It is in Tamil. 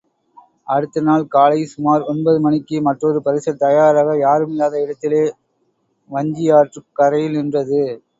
அடுத்த நாள் காலை சுமார் ஒன்பது மணிக்கு மற்றொரு பரிசல் தயாராக, யாருமில்லாத இடத்திலே, வஞ்சியாற்றுக் கரையில் நின்றது.